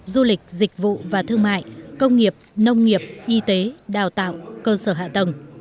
du lịch dịch vụ và thương mại công nghiệp nông nghiệp y tế đào tạo cơ sở hạ tầng